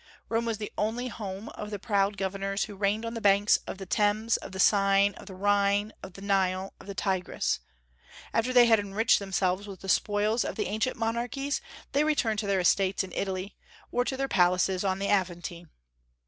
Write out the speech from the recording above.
Rome was the only "home" of the proud governors who reigned on the banks of the Thames, of the Seine, of the Rhine, of the Nile, of the Tigris. After they had enriched themselves with the spoils of the ancient monarchies they returned to their estates in Italy, or to their palaces on the Aventine.